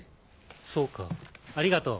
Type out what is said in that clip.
そうかありがとう。